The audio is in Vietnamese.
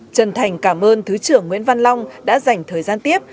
trần thành cảm ơn thứ trưởng nguyễn văn long đã dành thời gian tiếp